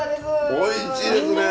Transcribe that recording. おいしいですね！